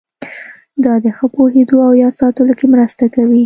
دا د ښه پوهېدو او یاد ساتلو کې مرسته کوي.